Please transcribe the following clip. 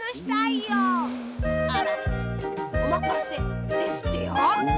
あら「おまかせ」ですってよ。